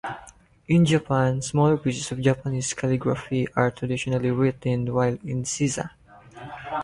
In Japan, smaller pieces of Japanese calligraphy are traditionally written while in seiza.